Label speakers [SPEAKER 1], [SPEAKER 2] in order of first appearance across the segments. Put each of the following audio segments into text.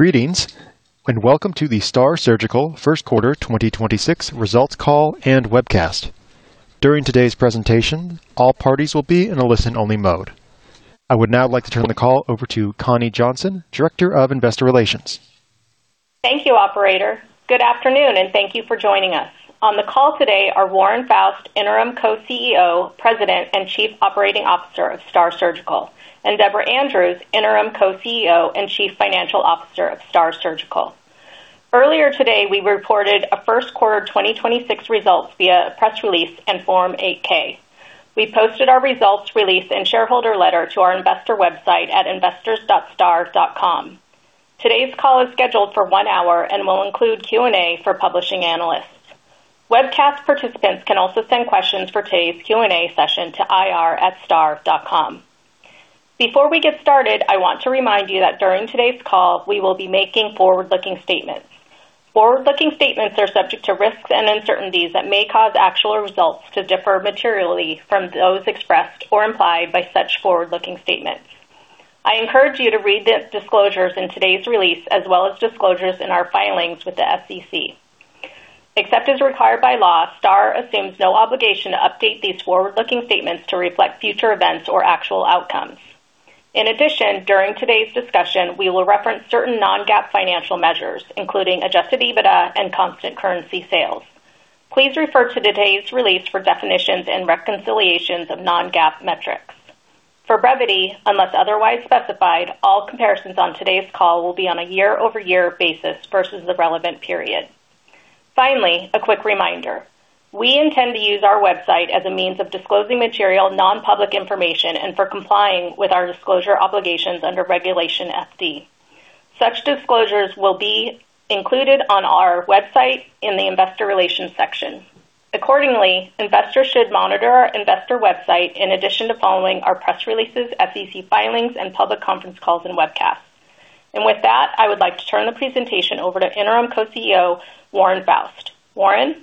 [SPEAKER 1] Greetings, and welcome to the STAAR Surgical first quarter 2026 results call and webcast. During today's presentation, all parties will be in a listen-only mode. I would now like to turn the call over to Connie Johnson, Director of Investor Relations.
[SPEAKER 2] Thank you, operator. Good afternoon, and thank you for joining us. On the call today are Warren Foust, Interim Co-CEO, President, and Chief Operating Officer of STAAR Surgical, and Deborah Andrews, Interim Co-CEO and Chief Financial Officer of STAAR Surgical. Earlier today, we reported a first quarter 2026 results via a press release and Form 8-K. We posted our results release and shareholder letter to our investor website at investors.staar.com. Today's call is scheduled for one hour and will include Q&A for publishing analysts. Webcast participants can also send questions for today's Q&A session to ir@staar.com. Before we get started, I want to remind you that during today's call, we will be making forward-looking statements. Forward-looking statements are subject to risks and uncertainties that may cause actual results to differ materially from those expressed or implied by such forward-looking statements. I encourage you to read the disclosures in today's release, as well as disclosures in our filings with the SEC. Except as required by law, STAAR assumes no obligation to update these forward-looking statements to reflect future events or actual outcomes. During today's discussion, we will reference certain non-GAAP financial measures, including adjusted EBITDA and constant currency sales. Please refer to today's release for definitions and reconciliations of non-GAAP metrics. For brevity, unless otherwise specified, all comparisons on today's call will be on a year-over-year basis versus the relevant period. Finally, a quick reminder. We intend to use our website as a means of disclosing material non-public information and for complying with our disclosure obligations under Regulation FD. Such disclosures will be included on our website in the Investor Relations section. Accordingly, investors should monitor our investor website in addition to following our press releases, SEC filings, and public conference calls and webcasts. With that, I would like to turn the presentation over to Interim Co-CEO, Warren Foust. Warren.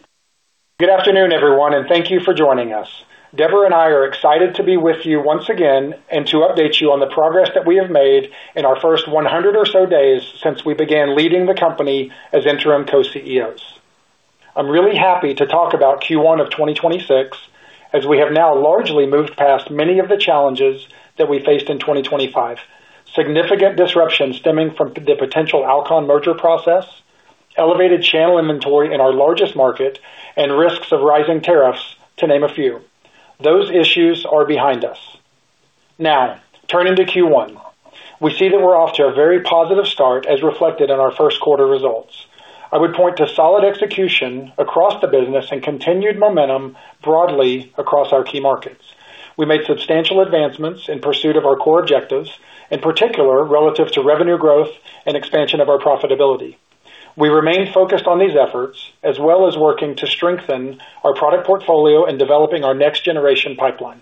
[SPEAKER 3] Good afternoon, everyone. Thank you for joining us. Deborah and I are excited to be with you once again and to update you on the progress that we have made in our first 100 or so days since we began leading the company as interim co-CEOs. I'm really happy to talk about Q1 of 2026, as we have now largely moved past many of the challenges that we faced in 2025. Significant disruption stemming from the potential Alcon merger process, elevated channel inventory in our largest market, and risks of rising tariffs, to name a few. Those issues are behind us. Turning to Q1. We see that we're off to a very positive start as reflected in our first quarter results. I would point to solid execution across the business and continued momentum broadly across our key markets. We made substantial advancements in pursuit of our core objectives, in particular relative to revenue growth and expansion of our profitability. We remain focused on these efforts, as well as working to strengthen our product portfolio and developing our next generation pipeline.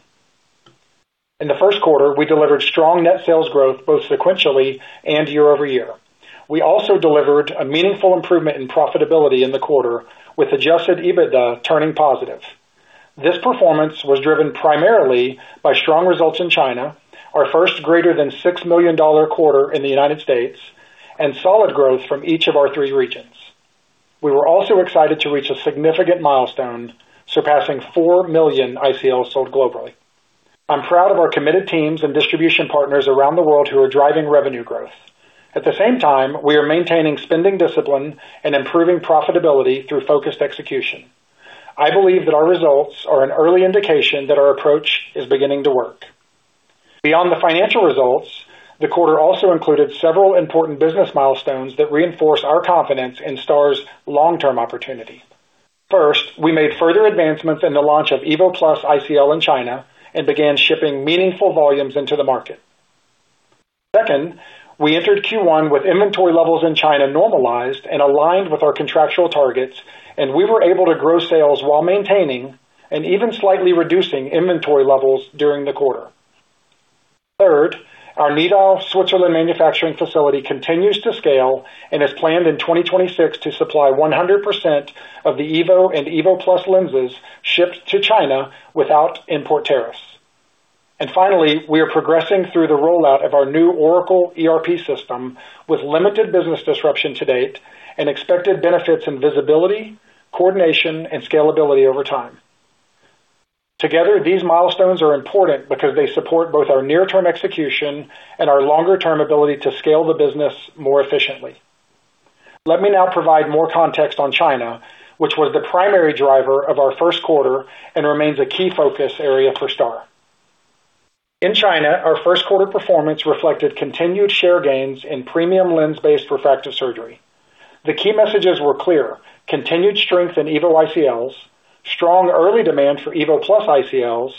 [SPEAKER 3] In the first quarter, we delivered strong net sales growth, both sequentially and year-over-year. We also delivered a meaningful improvement in profitability in the quarter, with adjusted EBITDA turning positive. This performance was driven primarily by strong results in China, our first greater than $6 million quarter in the U.S., and solid growth from each of our three regions. We were also excited to reach a significant milestone, surpassing 4 million ICLs sold globally. I'm proud of our committed teams and distribution partners around the world who are driving revenue growth. At the same time, we are maintaining spending discipline and improving profitability through focused execution. I believe that our results are an early indication that our approach is beginning to work. Beyond the financial results, the quarter also included several important business milestones that reinforce our confidence in STAAR's long-term opportunity. First, we made further advancements in the launch of EVO+ ICL in China and began shipping meaningful volumes into the market. Second, we entered Q1 with inventory levels in China normalized and aligned with our contractual targets, and we were able to grow sales while maintaining and even slightly reducing inventory levels during the quarter. Third, our Nidau, Switzerland manufacturing facility continues to scale and is planned in 2026 to supply 100% of the EVO and EVO+ lenses shipped to China without import tariffs. Finally, we are progressing through the rollout of our new Oracle ERP system with limited business disruption to date and expected benefits in visibility, coordination, and scalability over time. Together, these milestones are important because they support both our near-term execution and our longer-term ability to scale the business more efficiently. Let me now provide more context on China, which was the primary driver of our first quarter and remains a key focus area for STAAR. In China, our first quarter performance reflected continued share gains in premium lens-based refractive surgery. The key messages were clear. Continued strength in EVO ICLs, strong early demand for EVO+ ICLs,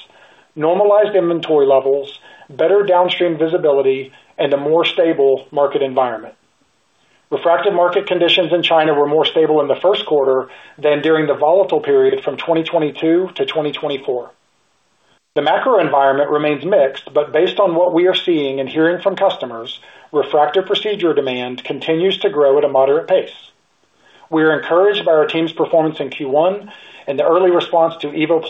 [SPEAKER 3] normalized inventory levels, better downstream visibility, and a more stable market environment. Refractive market conditions in China were more stable in the first quarter than during the volatile period from 2022 to 2024. The macro environment remains mixed, based on what we are seeing and hearing from customers, refractive procedure demand continues to grow at a moderate pace. We are encouraged by our team's performance in Q1 and the early response to EVO+,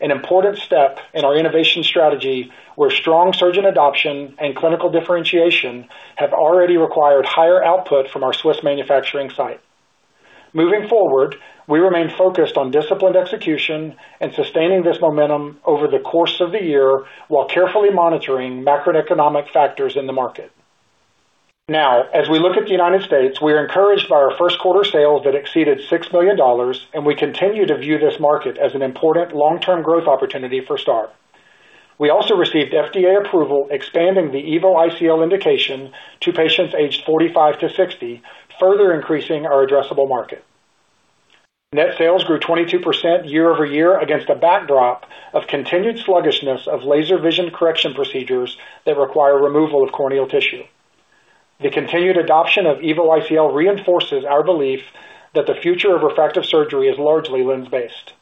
[SPEAKER 3] an important step in our innovation strategy, where strong surgeon adoption and clinical differentiation have already required higher output from our Swiss manufacturing site. Moving forward, we remain focused on disciplined execution and sustaining this momentum over the course of the year while carefully monitoring macroeconomic factors in the market. As we look at the U.S., we are encouraged by our first quarter sales that exceeded $6 million, and we continue to view this market as an important long-term growth opportunity for STAAR. We also received FDA approval, expanding the EVO ICL indication to patients aged 45 to 60, further increasing our addressable market. Net sales grew 22% year-over-year against a backdrop of continued sluggishness of laser vision correction procedures that require removal of corneal tissue. The continued adoption of EVO ICL reinforces our belief that the future of refractive surgery is largely lens-based.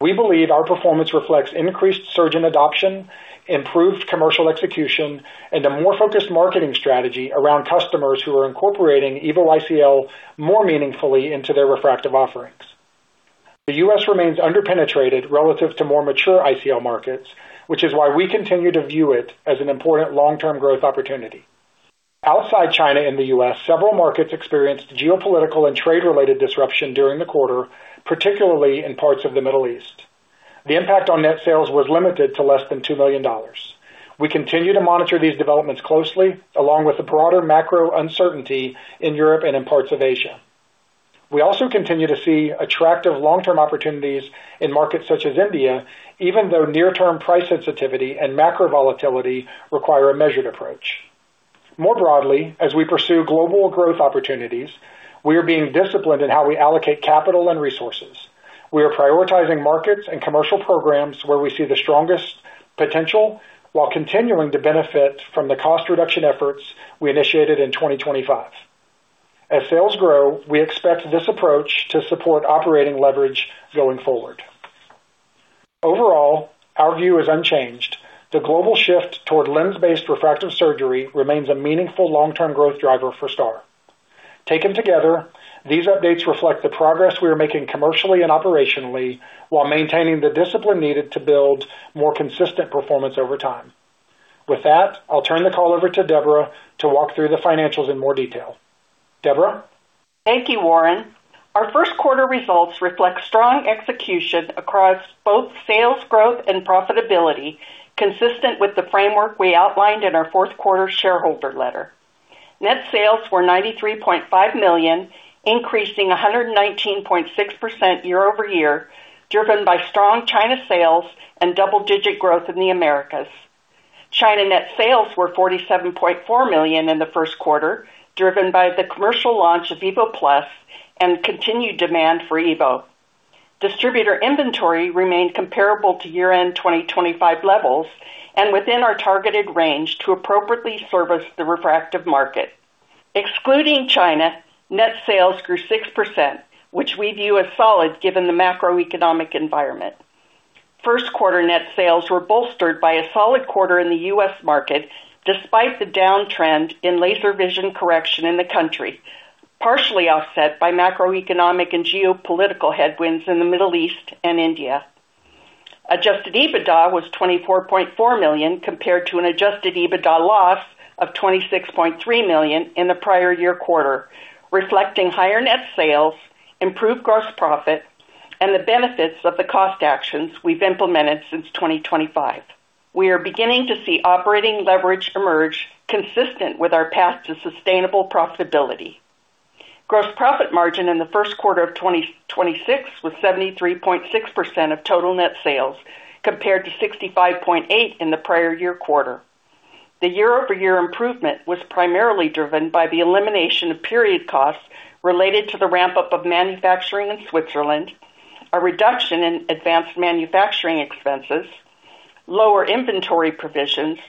[SPEAKER 3] We believe our performance reflects increased surgeon adoption, improved commercial execution, and a more focused marketing strategy around customers who are incorporating EVO ICL more meaningfully into their refractive offerings. The U.S. remains under-penetrated relative to more mature ICL markets, which is why we continue to view it as an important long-term growth opportunity. Outside China and the U.S., several markets experienced geopolitical and trade-related disruption during the quarter, particularly in parts of the Middle East. The impact on net sales was limited to less than $2 million. We continue to monitor these developments closely, along with the broader macro uncertainty in Europe and in parts of Asia. We also continue to see attractive long-term opportunities in markets such as India, even though near-term price sensitivity and macro volatility require a measured approach. More broadly, as we pursue global growth opportunities, we are being disciplined in how we allocate capital and resources. We are prioritizing markets and commercial programs where we see the strongest potential while continuing to benefit from the cost reduction efforts we initiated in 2025. As sales grow, we expect this approach to support operating leverage going forward. Overall, our view is unchanged. The global shift toward lens-based refractive surgery remains a meaningful long-term growth driver for STAAR. Taken together, these updates reflect the progress we are making commercially and operationally while maintaining the discipline needed to build more consistent performance over time. With that, I'll turn the call over to Deborah to walk through the financials in more detail. Deborah.
[SPEAKER 4] Thank you, Warren. Our first quarter results reflect strong execution across both sales growth and profitability, consistent with the framework we outlined in our fourth quarter shareholder letter. Net sales were $93.5 million, increasing 119.6% year-over-year, driven by strong China sales and double-digit growth in the Americas. China net sales were $47.4 million in the first quarter, driven by the commercial launch of EVO+ and continued demand for EVO. Distributor inventory remained comparable to year-end 2025 levels and within our targeted range to appropriately service the refractive market. Excluding China, net sales grew 6%, which we view as solid given the macroeconomic environment. First quarter net sales were bolstered by a solid quarter in the U.S. market despite the downtrend in laser vision correction in the country, partially offset by macroeconomic and geopolitical headwinds in the Middle East and India. Adjusted EBITDA was $24.4 million compared to an adjusted EBITDA loss of $26.3 million in the prior year quarter, reflecting higher net sales, improved gross profit, and the benefits of the cost actions we've implemented since 2025. We are beginning to see operating leverage emerge consistent with our path to sustainable profitability. Gross profit margin in the first quarter of 2026 was 73.6% of total net sales compared to 65.8% in the prior year quarter. The year-over-year improvement was primarily driven by the elimination of period costs related to the ramp-up of manufacturing in Switzerland, a reduction in advanced manufacturing expenses, lower inventory provisions,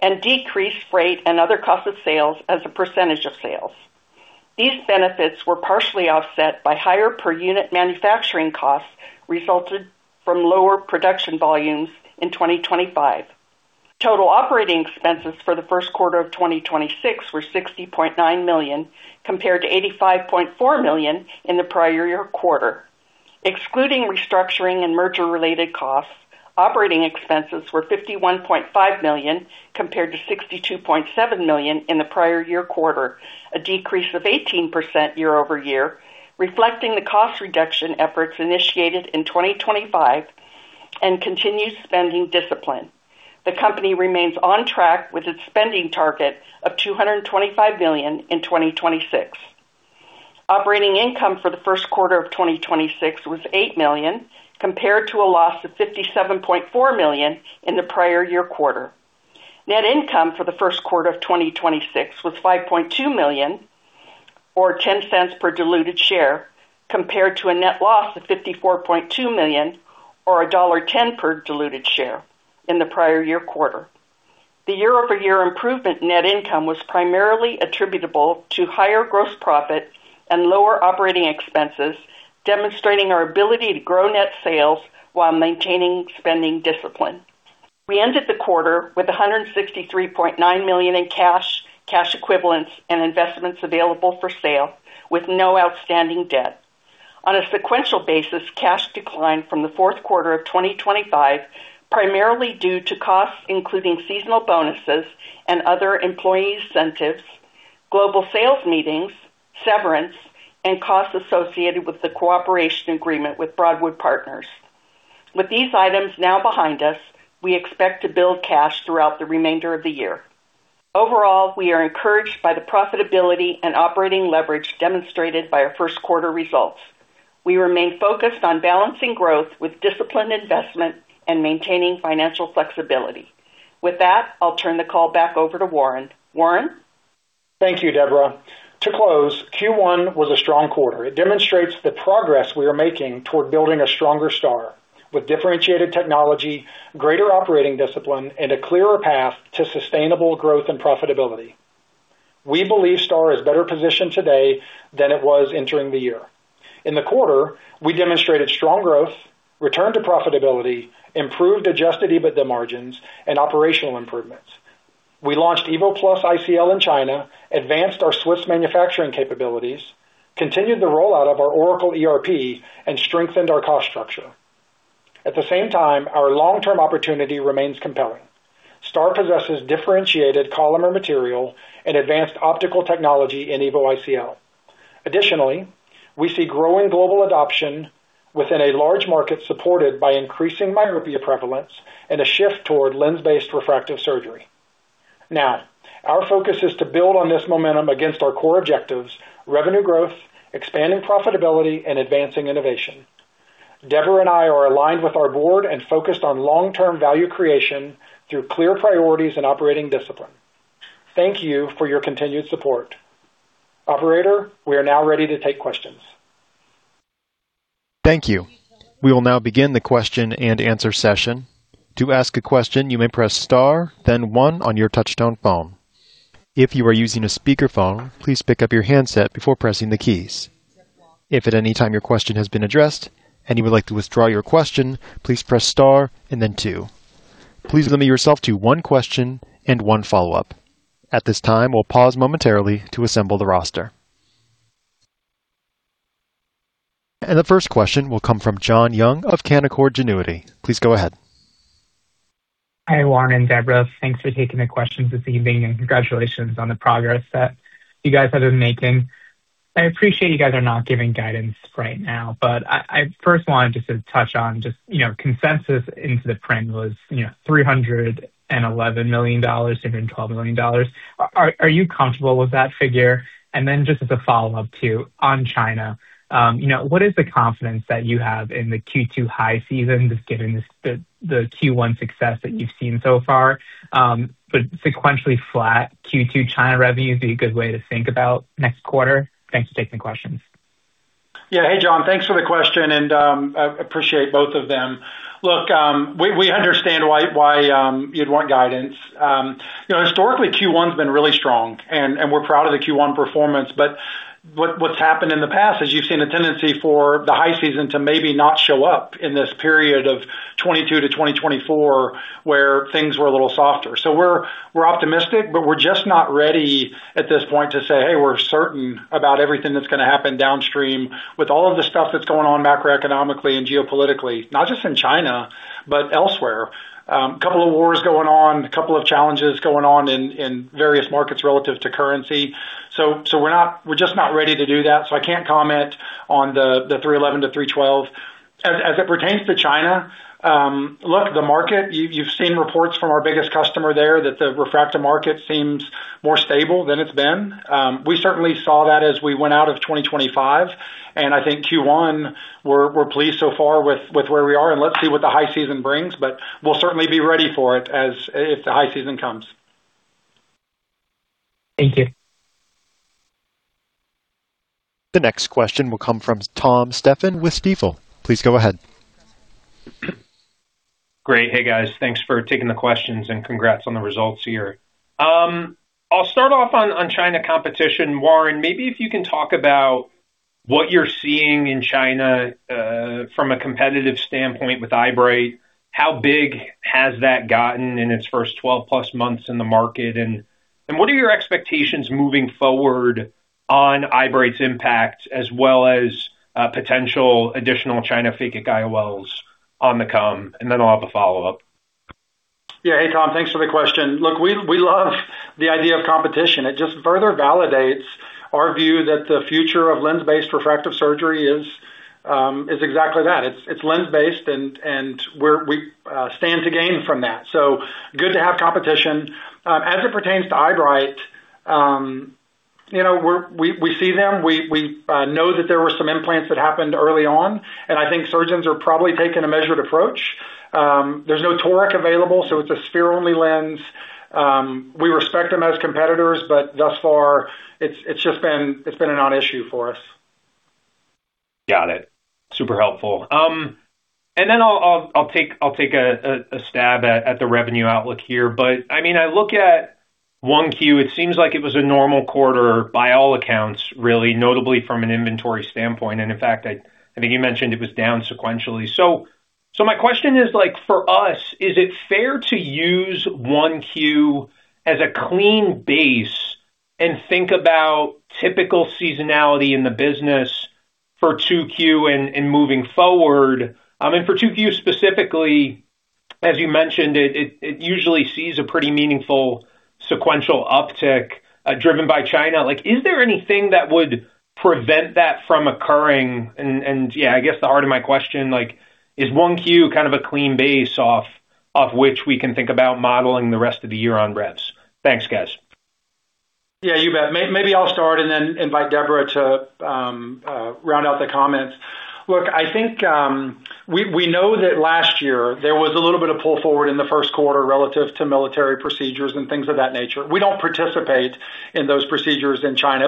[SPEAKER 4] and decreased freight and other cost of sales as a percentage of sales. These benefits were partially offset by higher per unit manufacturing costs resulted from lower production volumes in 2025. Total operating expenses for the first quarter of 2026 were $60.9 million compared to $85.4 million in the prior year quarter. Excluding restructuring and merger-related costs, operating expenses were $51.5 million compared to $62.7 million in the prior year quarter, a decrease of 18% year-over-year, reflecting the cost reduction efforts initiated in 2025 and continued spending discipline. The company remains on track with its spending target of $225 million in 2026. Operating income for the first quarter of 2026 was $8 million compared to a loss of $57.4 million in the prior year quarter. Net income for the first quarter of 2026 was $5.2 million or $0.10 per diluted share compared to a net loss of $54.2 million or $1.10 per diluted share in the prior year quarter. The year-over-year improvement net income was primarily attributable to higher gross profit and lower operating expenses, demonstrating our ability to grow net sales while maintaining spending discipline. We ended the quarter with $163.9 million in cash, cash equivalents, and investments available for sale with no outstanding debt. On a sequential basis, cash declined from the fourth quarter of 2025, primarily due to costs including seasonal bonuses and other employee incentives, global sales meetings, severance, and costs associated with the cooperation agreement with Broadwood Partners. With these items now behind us, we expect to build cash throughout the remainder of the year. Overall, we are encouraged by the profitability and operating leverage demonstrated by our first quarter results. We remain focused on balancing growth with disciplined investment and maintaining financial flexibility. With that, I'll turn the call back over to Warren. Warren?
[SPEAKER 3] Thank you, Deborah. To close, Q1 was a strong quarter. It demonstrates the progress we are making toward building a stronger STAAR with differentiated technology, greater operating discipline, and a clearer path to sustainable growth and profitability. We believe STAAR is better positioned today than it was entering the year. In the quarter, we demonstrated strong growth, return to profitability, improved adjusted EBITDA margins, and operational improvements. We launched EVO+ ICL in China, advanced our Swiss manufacturing capabilities, continued the rollout of our Oracle ERP, and strengthened our cost structure. At the same time, our long-term opportunity remains compelling. STAAR possesses differentiated polymer material and advanced optical technology in EVO ICL. Additionally, we see growing global adoption within a large market supported by increasing myopia prevalence and a shift toward lens-based refractive surgery. Our focus is to build on this momentum against our core objectives, revenue growth, expanding profitability, and advancing innovation. Deborah and I are aligned with our board and focused on long-term value creation through clear priorities and operating discipline. Thank you for your continued support. Operator, we are now ready to take questions.
[SPEAKER 1] Thank you. We will now begin the question-and-answer session. To ask a question, you may press star then one on your touchtone phone. If you are using a speakerphone, please pick up your handset before pressing the keys. If at any time your question has been addressed and you would like to withdraw your question, please press star and then two. Please limit yourself to one question and one follow-up. At this time, we'll pause momentarily to assemble the roster. The first question will come from John Young of Canaccord Genuity. Please go ahead.
[SPEAKER 5] Hi, Warren and Deborah. Thanks for taking the questions this evening, and congratulations on the progress that you guys have been making. I appreciate you guys are not giving guidance right now, but I first wanted just to touch on just, you know, consensus into the frame was, you know, $311 million-$312 million. Are you comfortable with that figure? Then just as a follow-up too, on China, you know, what is the confidence that you have in the Q2 high season, just given the Q1 success that you've seen so far? Would sequentially flat Q2 China revenue be a good way to think about next quarter? Thanks for taking the questions.
[SPEAKER 3] Yeah. Hey, John. Thanks for the question, I appreciate both of them. Look, we understand why you'd want guidance. You know, historically, Q1's been really strong, and we're proud of the Q1 performance. What's happened in the past is you've seen a tendency for the high season to maybe not show up in this period of 2022 to 2024, where things were a little softer. We're optimistic, but we're just not ready at this point to say, "Hey, we're certain about everything that's gonna happen downstream with all of the stuff that's going on macroeconomically and geopolitically, not just in China, but elsewhere." A couple of wars going on, a couple of challenges going on in various markets relative to currency. We're just not ready to do that, so I can't comment on the $311 million-$312 million. As it pertains to China, look, the market, you've seen reports from our biggest customer there that the refractor market seems more stable than it's been. We certainly saw that as we went out of 2025, and I think Q1, we're pleased so far with where we are, and let's see what the high season brings, but we'll certainly be ready for it as if the high season comes.
[SPEAKER 5] Thank you.
[SPEAKER 1] The next question will come from Tom Stephan with Stifel. Please go ahead.
[SPEAKER 6] Great. Hey, guys. Thanks for taking the questions and congrats on the results here. I'll start off on China competition. Warren, maybe if you can talk about what you're seeing in China from a competitive standpoint with Eyebright. How big has that gotten in its first 12+ months in the market? What are your expectations moving forward on Eyebright's impact as well as potential additional China phakic IOLs on the come? Then I'll have a follow-up.
[SPEAKER 3] Yeah. Hey, Tom. Thanks for the question. Look, we love the idea of competition. It just further validates our view that the future of lens-based refractive surgery is exactly that. It's lens-based and we stand to gain from that. Good to have competition. As it pertains to Eyebright, you know, we see them. We know that there were some implants that happened early on, and I think surgeons are probably taking a measured approach. There's no toric available, so it's a sphere-only lens. We respect them as competitors, but thus far it's just been a non-issue for us.
[SPEAKER 6] Got it. Super helpful. Then I'll take a stab at the revenue outlook here. I mean, I look at 1Q, it seems like it was a normal quarter by all accounts, really, notably from an inventory standpoint. In fact, I think you mentioned it was down sequentially. My question is like for us, is it fair to use 1Q as a clean base and think about typical seasonality in the business for 2Q and moving forward? For 2Q specifically, as you mentioned, it usually sees a pretty meaningful sequential uptick driven by China. Like is there anything that would prevent that from occurring? Yeah, I guess the heart of my question, like is 1Q kind of a clean base off which we can think about modeling the rest of the year on revs? Thanks, guys.
[SPEAKER 3] Yeah, you bet. Maybe I'll start and then invite Deborah to round out the comments. Look, I think, we know that last year there was a little bit of pull forward in the first quarter relative to military procedures and things of that nature. We don't participate in those procedures in China,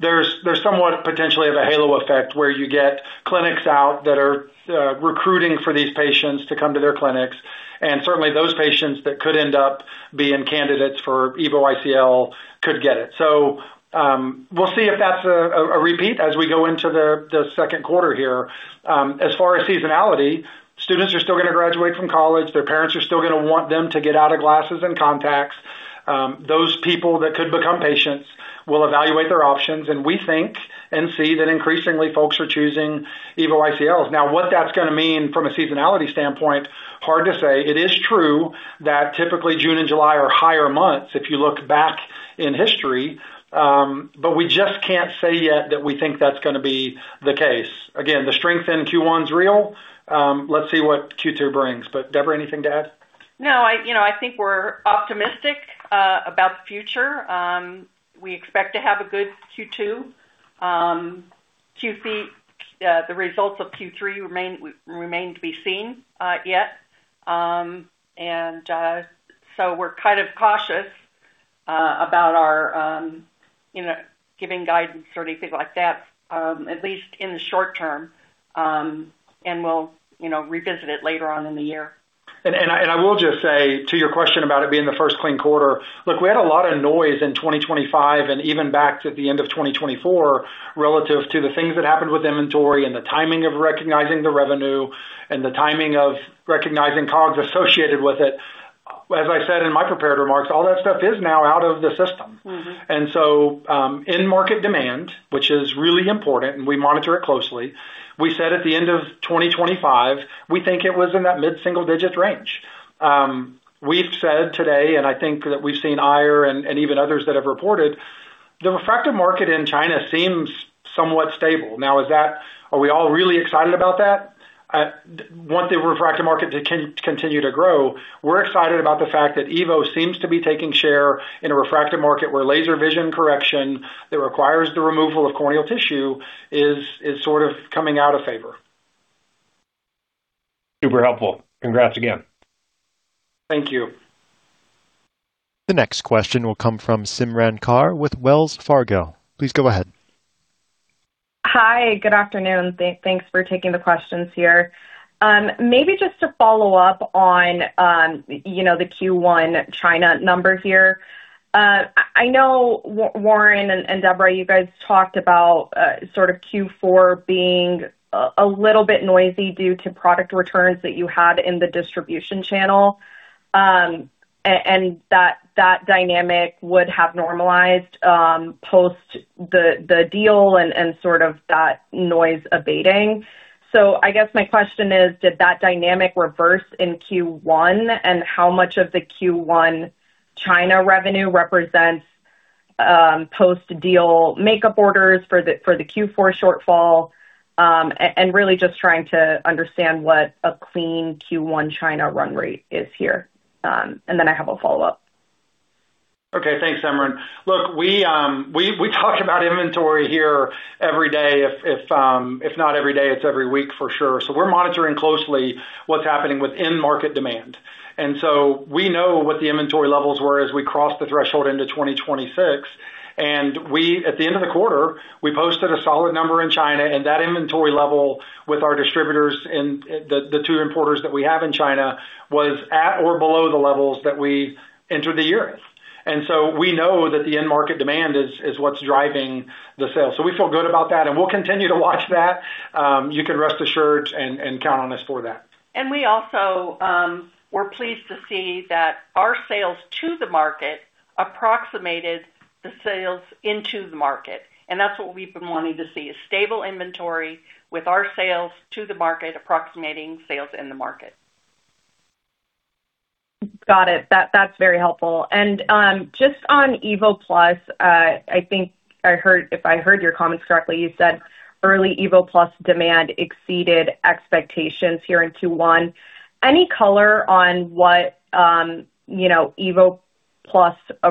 [SPEAKER 3] there's somewhat potentially of a halo effect where you get clinics out that are recruiting for these patients to come to their clinics. Certainly those patients that could end up being candidates for EVO ICL could get it. We'll see if that's a repeat as we go into the second quarter here. As far as seasonality, students are still gonna graduate from college. Their parents are still gonna want them to get out of glasses and contacts. Those people that could become patients will evaluate their options, and we think and see that increasingly folks are choosing EVO ICLs. Now, what that's gonna mean from a seasonality standpoint, hard to say. It is true that typically June and July are higher months if you look back in history. We just can't say yet that we think that's gonna be the case. Again, the strength in Q1 is real. Let's see what Q2 brings. Deborah, anything to add?
[SPEAKER 4] No, I, you know, I think we're optimistic about the future. We expect to have a good Q2. The results of Q3 remain to be seen yet. We're kind of cautious about our, you know, giving guidance or anything like that, at least in the short term. We'll, you know, revisit it later on in the year.
[SPEAKER 3] I will just say to your question about it being the first clean quarter. We had a lot of noise in 2025 and even back to the end of 2024 relative to the things that happened with inventory and the timing of recognizing the revenue and the timing of recognizing COGS associated with it. As I said in my prepared remarks, all that stuff is now out of the system. In market demand, which is really important, and we monitor it closely, we said at the end of 2025, we think it was in that mid-single-digit range. We've said today, and I think that we've seen Aier and even others that have reported, the refractive market in China seems somewhat stable. Now are we all really excited about that? Want the refractive market to continue to grow. We're excited about the fact that EVO seems to be taking share in a refractive market where laser vision correction that requires the removal of corneal tissue is sort of coming out of favor.
[SPEAKER 6] Super helpful. Congrats again.
[SPEAKER 3] Thank you.
[SPEAKER 1] The next question will come from Simran Kaur with Wells Fargo. Please go ahead.
[SPEAKER 7] Hi, good afternoon. Thanks for taking the questions here. Maybe just to follow up on, you know, the Q1 China numbers here. I know Warren and Deborah, you guys talked about a little bit noisy due to product returns that you had in the distribution channel. That dynamic would have normalized post the deal and sort of that noise abating. I guess my question is, did that dynamic reverse in Q1? How much of the Q1 China revenue represents post-deal makeup orders for the Q4 shortfall? Really just trying to understand what a clean Q1 China run rate is here. I have a follow-up.
[SPEAKER 3] Thanks, Simran. We talk about inventory here every day. If not every day, it's every week for sure. We're monitoring closely what's happening with in-market demand. We know what the inventory levels were as we crossed the threshold into 2026. At the end of the quarter, we posted a solid number in China, and that inventory level with our distributors and the two importers that we have in China was at or below the levels that we entered the year with. We know that the end market demand is what's driving the sales. We feel good about that, and we'll continue to watch that. You can rest assured and count on us for that.
[SPEAKER 4] We also, we're pleased to see that our sales to the market approximated the sales into the market, and that's what we've been wanting to see, is stable inventory with our sales to the market approximating sales in the market.
[SPEAKER 7] Got it. That, that's very helpful. Just on EVO+, if I heard your comments correctly, you said early EVO+ demand exceeded expectations here in Q1. Any color on what, you know, EVO+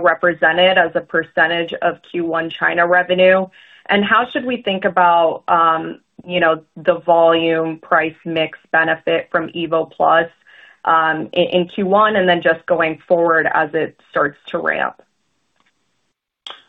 [SPEAKER 7] represented as a percentage of Q1 China revenue? How should we think about, you know, the volume price mix benefit from EVO+ in Q1 and then just going forward as it starts to ramp?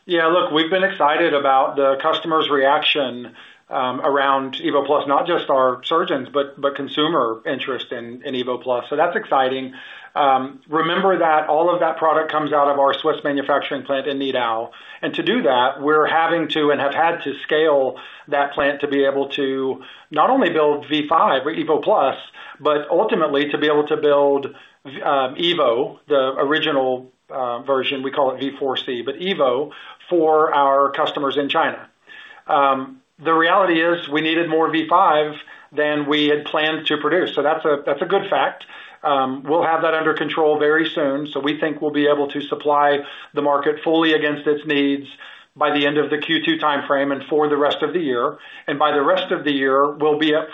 [SPEAKER 3] Look, we've been excited about the customers' reaction, around EVO+ not just our surgeons, but consumer interest in EVO+. That's exciting. Remember that all of that product comes out of our Swiss manufacturing plant in Nidau. To do that, we're having to, and have had to scale that plant to be able to not only build V5 or EVO+, but ultimately to be able to build EVO, the original version, we call it V4C, but EVO for our customers in China. The reality is we needed more V5 than we had planned to produce. That's a good fact. We'll have that under control very soon. We think we'll be able to supply the market fully against its needs by the end of the Q2 timeframe and for the rest of the year. By the rest of the year,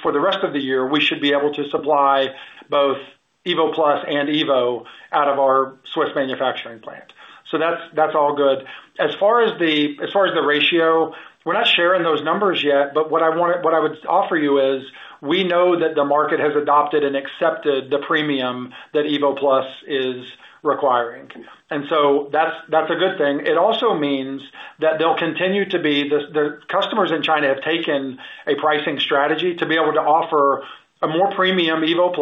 [SPEAKER 3] for the rest of the year, we should be able to supply both EVO+ and EVO out of our Swiss manufacturing plant. That's all good. As far as the ratio, we're not sharing those numbers yet, but what I would offer you is we know that the market has adopted and accepted the premium that EVO+ is requiring. That's a good thing. It also means that the customers in China have taken a pricing strategy to be able to offer a more premium EVO+,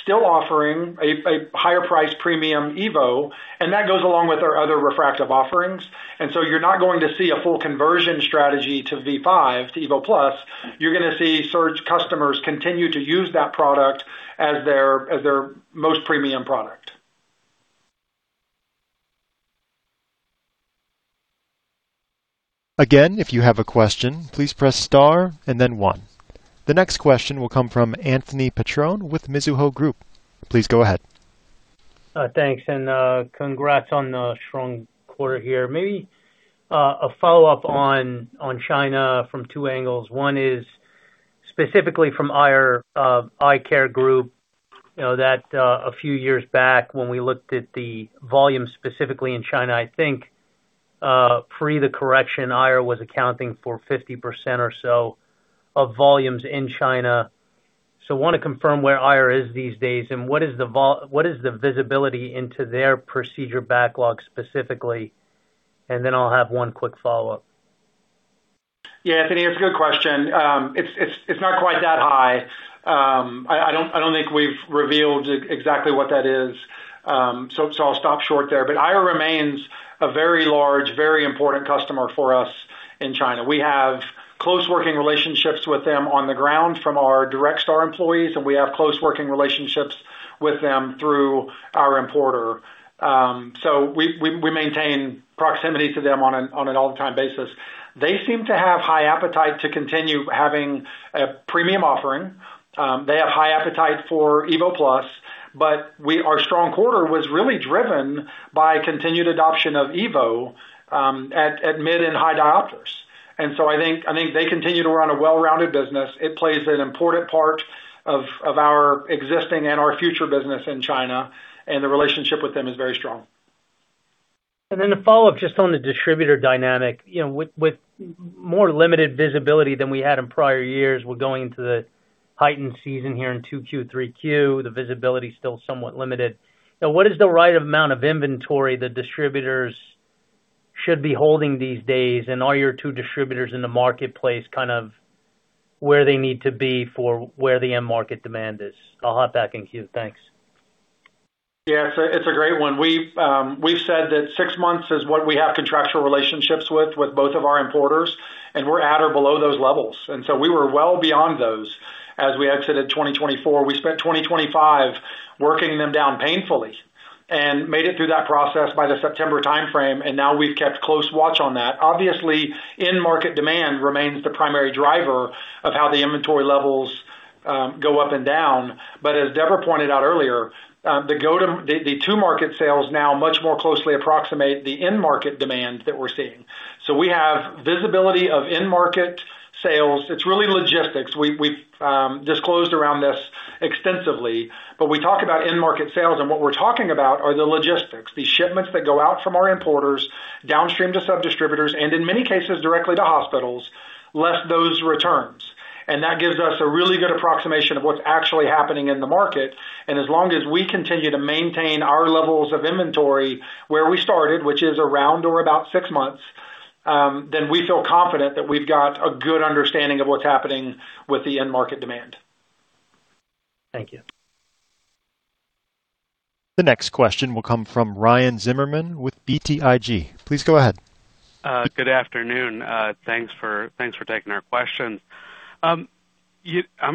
[SPEAKER 3] still offering a higher price premium EVO, and that goes along with our other refractive offerings. You're not going to see a full conversion strategy to V5, to EVO+, you're going to see surge customers continue to use that product as their most premium product.
[SPEAKER 1] Again, if you have a question, please press star and then one. The next question will come from Anthony Petrone with Mizuho Group. Please go ahead.
[SPEAKER 8] Thanks, congrats on a strong quarter here. Maybe, a follow-up on China from two angles. One is specifically from Aier Eye Care Group, you know, that a few years back when we looked at the volume specifically in China, I think, free the correction Aier was accounting for 50% or so of volumes in China. Wanna confirm where Aier is these days and what is the visibility into their procedure backlog specifically? Then I'll have one quick follow-up.
[SPEAKER 3] Yeah, Anthony, it's a good question. It's not quite that high. I don't think we've revealed exactly what that is. I'll stop short there. Aier remains a very large, very important customer for us in China. We have close working relationships with them on the ground from our direct STAAR employees, and we have close working relationships with them through our importer. We maintain proximity to them on an all-the-time basis. They seem to have high appetite to continue having a premium offering. They have high appetite for EVO+, our strong quarter was really driven by continued adoption of EVO at mid and high diopters. I think they continue to run a well-rounded business. It plays an important part of our existing and our future business in China. The relationship with them is very strong.
[SPEAKER 8] Then a follow-up just on the distributor dynamic. You know, with more limited visibility than we had in prior years, we're going into the heightened season here in 2Q, 3Q. The visibility is still somewhat limited. Now, what is the right amount of inventory the distributors should be holding these days? Are your two distributors in the marketplace kind of where they need to be for where the end market demand is? I'll hop back in queue. Thanks.
[SPEAKER 3] It's a great one. We've said that six months is what we have contractual relationships with both of our importers, and we're at or below those levels. We were well beyond those as we exited 2024. We spent 2025 working them down painfully and made it through that process by the September timeframe, and now we've kept close watch on that. Obviously, in-market demand remains the primary driver of how the inventory levels go up and down. As Deborah pointed out earlier, the go to market sales now much more closely approximate the end market demand that we're seeing. We have visibility of end market sales. It's really logistics. We've disclosed around this extensively, but we talk about end market sales, and what we're talking about are the logistics. The shipments that go out from our importers downstream to sub-distributors, and in many cases directly to hospitals, less those returns. That gives us a really good approximation of what's actually happening in the market. As long as we continue to maintain our levels of inventory where we started, which is around or about six months, then we feel confident that we've got a good understanding of what's happening with the end market demand.
[SPEAKER 8] Thank you.
[SPEAKER 1] The next question will come from Ryan Zimmerman with BTIG. Please go ahead.
[SPEAKER 9] Good afternoon. Thanks for taking our questions. I'm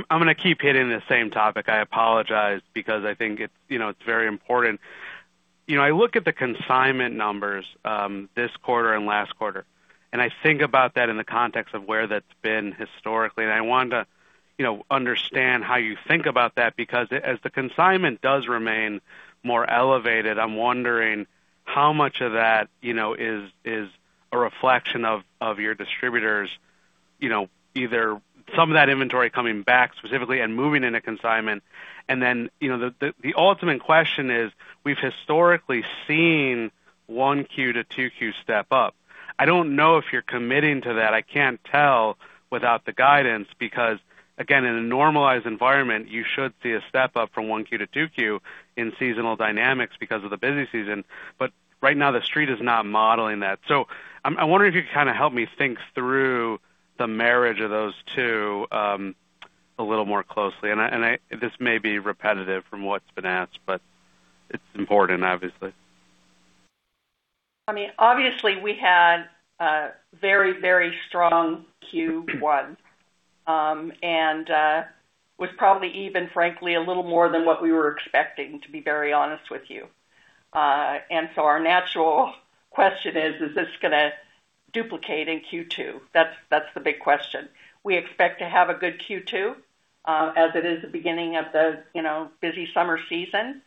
[SPEAKER 9] gonna keep hitting the same topic. I apologize because I think it's, you know, it's very important. You know, I look at the consignment numbers this quarter and last quarter, and I think about that in the context of where that's been historically. I wanted to, you know, understand how you think about that because as the consignment does remain more elevated, I'm wondering how much of that, you know, is a reflection of your distributors, you know, either some of that inventory coming back specifically and moving into consignment. You know, the ultimate question is, we've historically seen 1Q to 2Q step up. I don't know if you're committing to that. I can't tell without the guidance, because again, in a normalized environment, you should see a step up from 1Q to 2Q in seasonal dynamics because of the busy season. Right now the street is not modeling that. I'm wondering if you could kind of help me think through the marriage of those two a little more closely. This may be repetitive from what's been asked, but it's important, obviously.
[SPEAKER 4] I mean, obviously we had a very, very strong Q1, was probably even frankly a little more than what we were expecting, to be very honest with you. Our natural question is this gonna duplicate in Q2? That's the big question. We expect to have a good Q2, as it is the beginning of the, you know, busy summer season.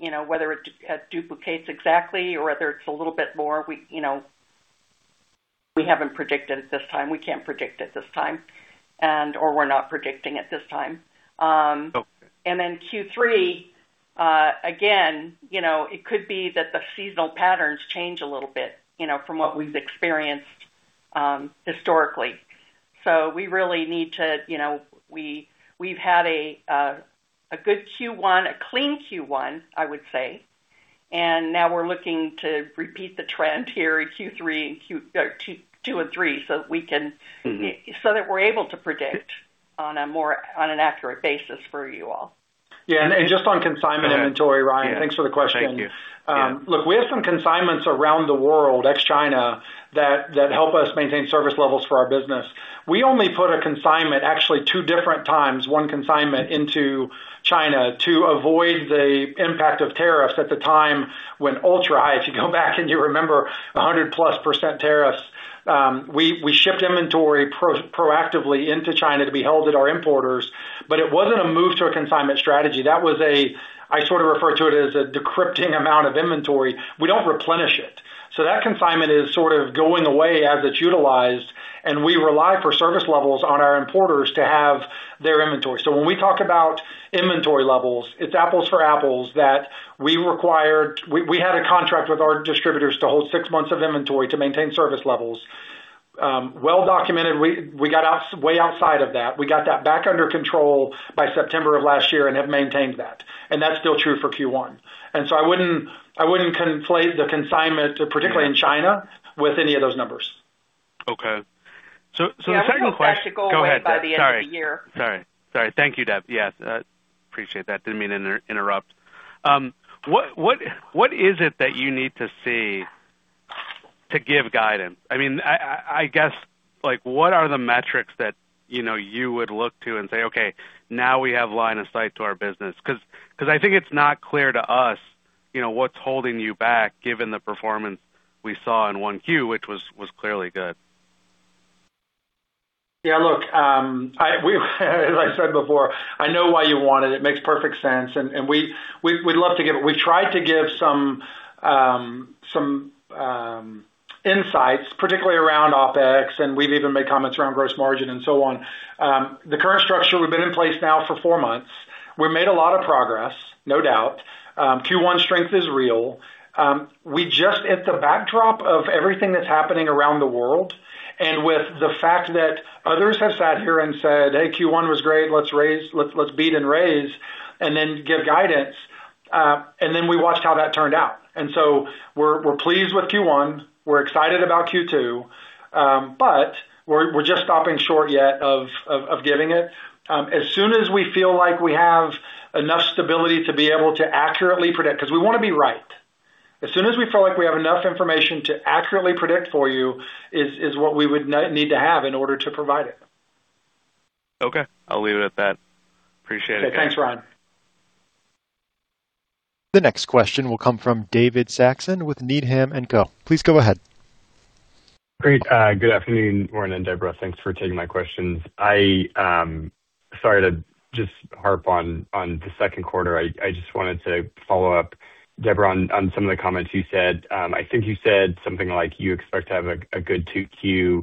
[SPEAKER 4] You know, whether it duplicates exactly or whether it's a little bit more, we, you know, we haven't predicted at this time. We can't predict at this time or we're not predicting at this time.
[SPEAKER 9] Okay.
[SPEAKER 4] In Q3, again, you know, it could be that the seasonal patterns change a little bit, you know, from what we've experienced historically. We really need to, you know, we've had a good Q1, a clean Q1, I would say. Now we're looking to repeat the trend here in Q2 and Q3, so that we're able to predict on an accurate basis for you all.
[SPEAKER 3] Yeah. Just on consignment inventory, Ryan.
[SPEAKER 9] Yeah.
[SPEAKER 3] Thanks for the question.
[SPEAKER 9] Thank you. Yeah.
[SPEAKER 3] Look, we have some consignments around the world, ex-China, that help us maintain service levels for our business. We only put a consignment actually two different times, one consignment into China to avoid the impact of tariffs at the time when ultra high, if you go back and you remember 100%+ tariffs, we shipped inventory proactively into China to be held at our importers. It wasn't a move to a consignment strategy. I sort of refer to it as a depleting amount of inventory. We don't replenish it. That consignment is sort of going away as it's utilized, and we rely for service levels on our importers to have their inventory. When we talk about inventory levels, it's apples for apples that we required. We had a contract with our distributors to hold six months of inventory to maintain service levels. Well documented, we got us way outside of that. We got that back under control by September of last year and have maintained that, and that's still true for Q one. I wouldn't conflate the consignment to particularly in China with any of those numbers.
[SPEAKER 9] Okay. The second question.
[SPEAKER 4] Yeah. I think that should go away by the end of the year.
[SPEAKER 9] Go ahead, Deb. Sorry. Thank you, Deb. Yes, appreciate that. Didn't mean to interrupt. What is it that you need to see to give guidance? I mean, I guess, like, what are the metrics that, you know, you would look to and say, okay, now we have line of sight to our business. Because I think it's not clear to us, you know, what's holding you back given the performance we saw in 1Q, which was clearly good.
[SPEAKER 3] Yeah, look, as I said before, I know why you want it. It makes perfect sense. We tried to give some insights, particularly around OpEx, and we've even made comments around gross margin and so on. The current structure, we've been in place now for four months. We've made a lot of progress, no doubt. Q1 strength is real. At the backdrop of everything that's happening around the world and with the fact that others have sat here and said, hey, Q1 was great. Let's raise. Let's beat and raise, and then give guidance. Then we watched how that turned out. We're, we're pleased with Q1, we're excited about Q2, but we're just stopping short yet of giving it. As soon as we feel like we have enough stability to be able to accurately predict, 'cause we wanna be right. As soon as we feel like we have enough information to accurately predict for you is what we would need to have in order to provide it.
[SPEAKER 9] Okay. I'll leave it at that. Appreciate it.
[SPEAKER 3] Thanks, Ryan.
[SPEAKER 1] The next question will come from David Saxon with Needham & Co.. Please go ahead.
[SPEAKER 10] Great. Good afternoon, Warren and Deborah. Thanks for taking my questions. I Sorry to just harp on the second quarter. I just wanted to follow up, Deborah, on some of the comments you said. I think you said something like you expect to have a good 2Q.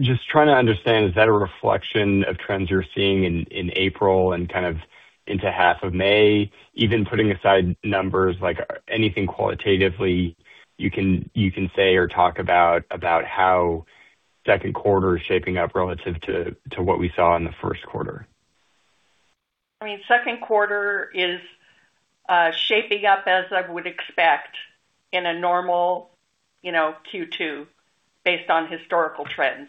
[SPEAKER 10] Just trying to understand, is that a reflection of trends you're seeing in April and kind of into half of May? Even putting aside numbers, like anything qualitatively you can say or talk about how second quarter is shaping up relative to what we saw in the first quarter.
[SPEAKER 4] I mean, second quarter is shaping up as I would expect in a normal, you know, Q2 based on historical trends.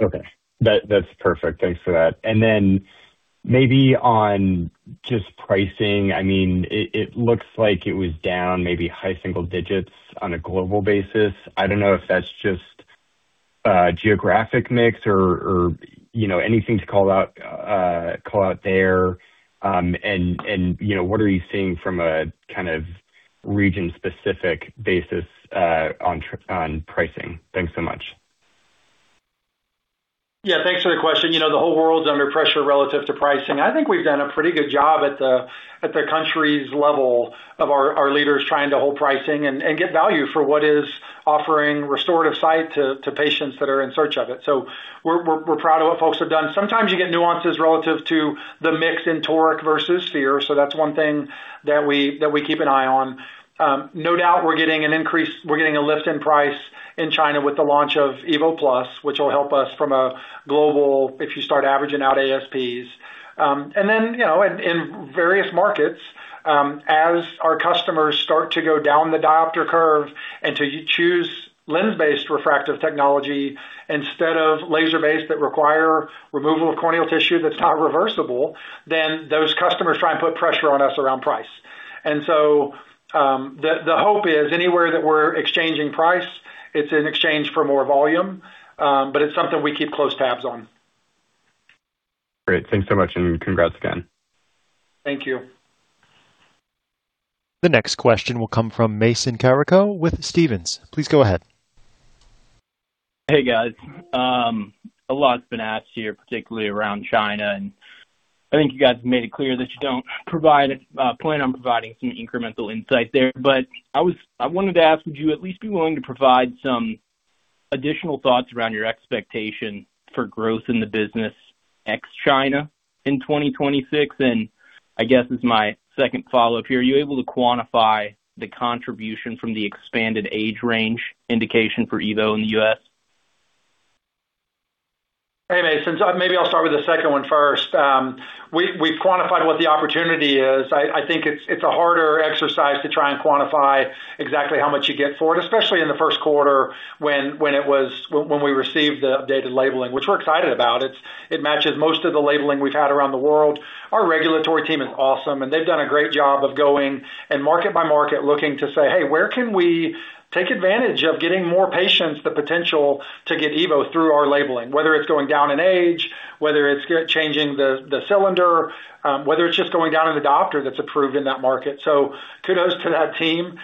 [SPEAKER 10] Okay. That's perfect. Thanks for that. Then maybe on just pricing. I mean, it looks like it was down maybe high single digits on a global basis. I don't know if that's just geographic mix or, you know, anything to call out there. You know, what are you seeing from a kind of region-specific basis on pricing? Thanks so much.
[SPEAKER 3] Yeah, thanks for the question. You know, the whole world's under pressure relative to pricing. I think we've done a pretty good job at the countries level of our leaders trying to hold pricing and get value for what is offering restorative sight to patients that are in search of it. We're proud of what folks have done. Sometimes you get nuances relative to the mix in toric versus sphere. That's one thing that we keep an eye on. No doubt we're getting a lift in price in China with the launch of EVO+, which will help us from a global if you start averaging out ASPs. You know, in various markets, as our customers start to go down the diopter curve and to choose lens-based refractive technology instead of laser-based that require removal of corneal tissue that's not reversible, then those customers try and put pressure on us around price. The, the hope is anywhere that we're exchanging price, it's in exchange for more volume. It's something we keep close tabs on.
[SPEAKER 10] Great. Thanks so much and congrats again.
[SPEAKER 3] Thank you.
[SPEAKER 1] The next question will come from Mason Carrico with Stephens. Please go ahead.
[SPEAKER 11] Hey, guys. A lot's been asked here, particularly around China, and I think you guys have made it clear that you don't provide plan on providing some incremental insight there. I wanted to ask, would you at least be willing to provide some additional thoughts around your expectation for growth in the business ex China in 2026? I guess as my second follow-up here, are you able to quantify the contribution from the expanded age range indication for EVO in the U.S.?
[SPEAKER 3] Hey, Mason. Maybe I'll start with the second one first. We've quantified what the opportunity is. I think it's a harder exercise to try and quantify exactly how much you get for it, especially in the first quarter when we received the updated labeling, which we're excited about. It matches most of the labeling we've had around the world. Our regulatory team is awesome, and they've done a great job of going and market by market looking to say, hey, where can we take advantage of getting more patients the potential to get EVO through our labeling? Whether it's going down in age, whether it's changing the cylinder, whether it's just going down in the diopter that's approved in that market. Kudos to that team.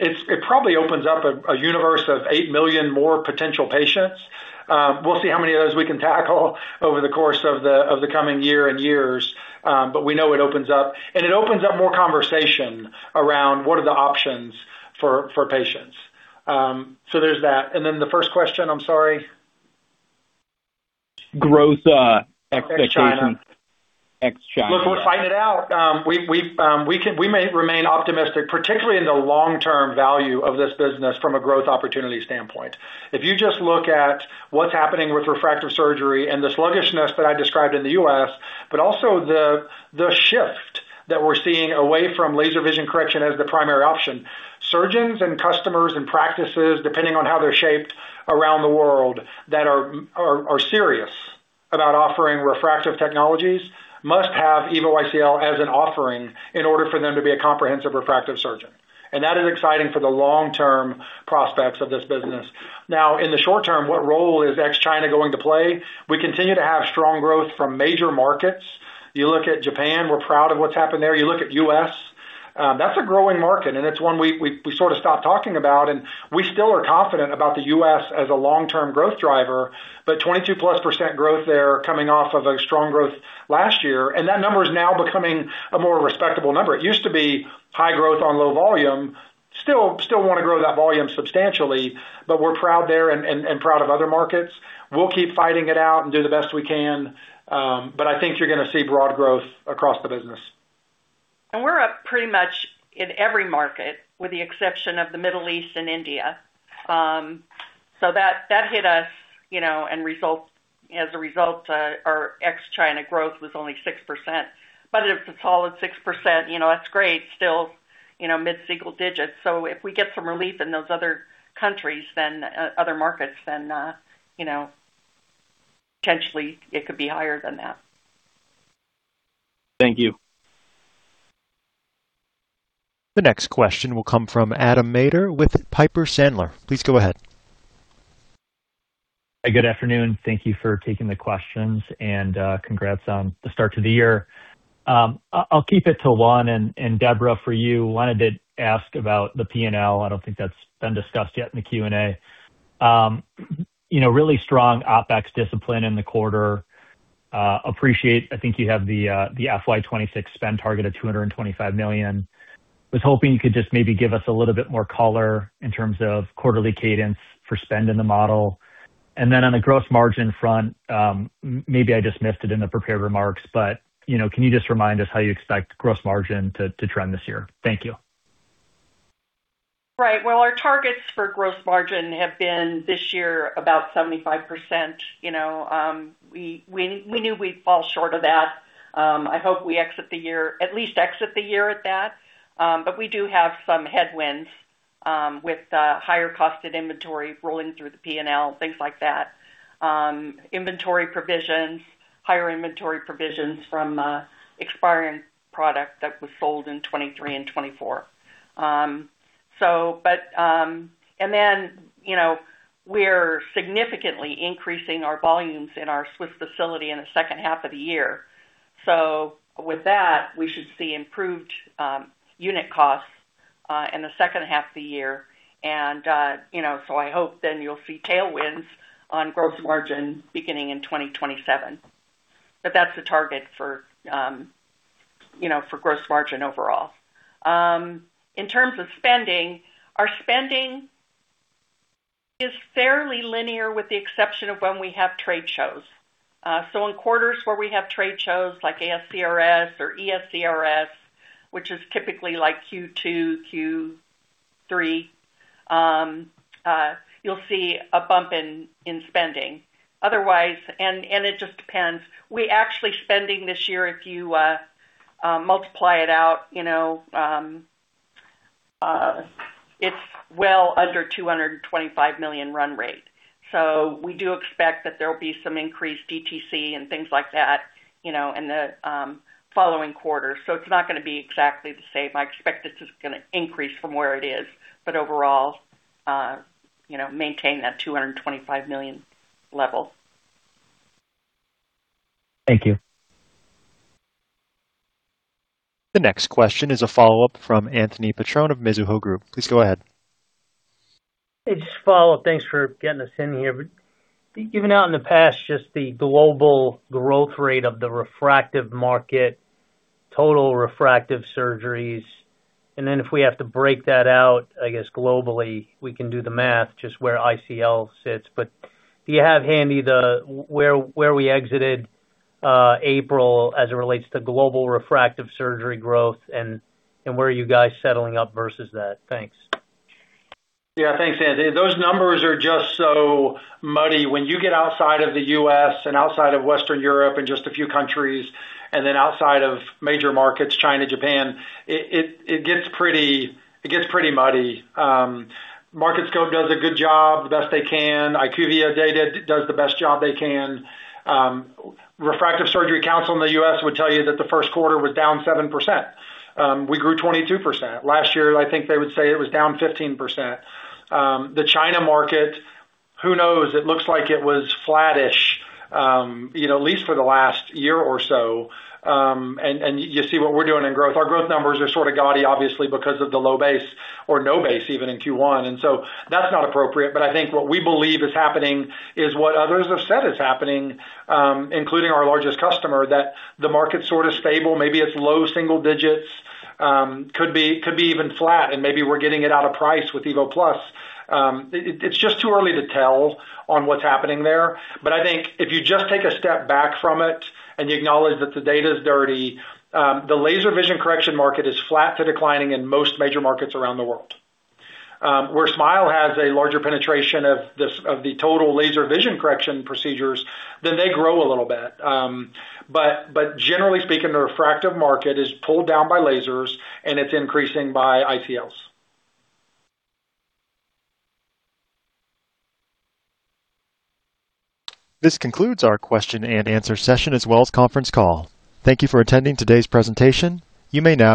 [SPEAKER 3] It probably opens up a universe of 8 million more potential patients. We'll see how many of those we can tackle over the course of the coming year and years. We know it opens up. It opens up more conversation around what are the options for patients. There's that. The first question, I'm sorry?
[SPEAKER 11] Growth, expectations.
[SPEAKER 3] Ex China?
[SPEAKER 11] Ex China.
[SPEAKER 3] Look, we're fighting it out. We, we've, we may remain optimistic, particularly in the long-term value of this business from a growth opportunity standpoint. If you just look at what's happening with refractive surgery and the sluggishness that I described in the U.S., but also the shift that we're seeing away from laser vision correction as the primary option. Surgeons and customers and practices, depending on how they're shaped around the world that are serious about offering refractive technologies must have EVO ICL as an offering in order for them to be a comprehensive refractive surgeon. That is exciting for the long-term prospects of this business. In the short term, what role is ex China going to play? We continue to have strong growth from major markets. You look at Japan, we're proud of what's happened there. You look at U.S., that's a growing market, and it's one we sort of stopped talking about, and we still are confident about the U.S. as a long-term growth driver. 20%+ growth there coming off of a strong growth last year, and that number is now becoming a more respectable number. It used to be high growth on low volume. Still wanna grow that volume substantially, but we're proud there and proud of other markets. We'll keep fighting it out and do the best we can. I think you're going to see broad growth across the business.
[SPEAKER 4] We're up pretty much in every market with the exception of the Middle East and India. That hit us, you know, as a result, our ex China growth was only 6%. It's a solid 6%, you know, that's great. Still, you know, mid-single digits. If we get some relief in those other countries, then, other markets then, you know, potentially it could be higher than that.
[SPEAKER 11] Thank you.
[SPEAKER 1] The next question will come from Adam Maeder with Piper Sandler. Please go ahead.
[SPEAKER 12] Hey, good afternoon. Thank you for taking the questions, congrats on the start to the year. I'll keep it to one. Deborah, for you, wanted to ask about the P&L. I don't think that's been discussed yet in the Q&A. You know, really strong OpEx discipline in the quarter. Appreciate, I think you have the FY 2026 spend target of $225 million. Was hoping you could just maybe give us a little bit more color in terms of quarterly cadence for spend in the model. Then on the gross margin front, maybe I just missed it in the prepared remarks, but, you know, can you just remind us how you expect gross margin to trend this year? Thank you.
[SPEAKER 4] Right. Well, our targets for gross margin have been this year about 75%. You know, we knew we'd fall short of that. I hope we at least exit the year at that. We do have some headwinds with higher costed inventory rolling through the P&L, things like that. Inventory provisions, higher inventory provisions from expiring product that was sold in 2023 and 2024. You know, we're significantly increasing our volumes in our Swiss facility in the second half of the year. With that, we should see improved unit costs in the second half of the year. You know, I hope you'll see tailwinds on gross margin beginning in 2027. That's the target for, you know, for gross margin overall. In terms of spending, our spending is fairly linear with the exception of when we have trade shows. In quarters where we have trade shows like ASCRS or ESCRS, which is typically like Q2, Q3, you'll see a bump in spending. Otherwise. It just depends. We actually spending this year, if you multiply it out, it's well under $225 million run rate. We do expect that there will be some increased DTC and things like that, in the following quarters. It's not gonna be exactly the same. I expect it's just gonna increase from where it is, but overall, maintain that $225 million level.
[SPEAKER 12] Thank you.
[SPEAKER 1] The next question is a follow-up from Anthony Petrone of Mizuho Group. Please go ahead.
[SPEAKER 8] Hey, just a follow-up. Thanks for getting us in here. You've been out in the past, just the global growth rate of the refractive market, total refractive surgeries, and then if we have to break that out, I guess globally, we can do the math just where ICL sits. Do you have handy the where we exited April as it relates to global refractive surgery growth and where are you guys settling up versus that? Thanks.
[SPEAKER 3] Thanks, Anthony. Those numbers are just so muddy. When you get outside of the U.S. and outside of Western Europe and just a few countries, and then outside of major markets, China, Japan, it gets pretty muddy. Market Scope does a good job, the best they can. IQVIA Data does the best job they can. Refractive Surgery Council in the U.S. would tell you that the first quarter was down 7%. We grew 22%. Last year, I think they would say it was down 15%. The China market, who knows? It looks like it was flattish, you know, at least for the last year or so. You see what we're doing in growth. Our growth numbers are sort of gaudy, obviously, because of the low base or no base even in Q1. That's not appropriate. I think what we believe is happening is what others have said is happening, including our largest customer, that the market's sort of stable. Maybe it's low single digits. Could be even flat, and maybe we're getting it out of price with EVO+. It's just too early to tell on what's happening there. I think if you just take a step back from it and you acknowledge that the data is dirty, the laser vision correction market is flat to declining in most major markets around the world. Where SMILE has a larger penetration of this, of the total laser vision correction procedures, then they grow a little bit. But generally speaking, the refractive market is pulled down by lasers, and it's increasing by ICLs.
[SPEAKER 1] This concludes our question and answer session, as well as conference call. Thank you for attending today's presentation. You may now disconnect.